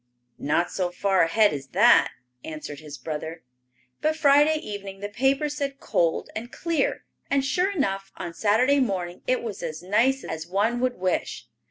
"Not so far ahead as that," answered his brother. But Friday evening the paper said cold and clear, and sure enough, on Saturday morning it was as nice as one would wish.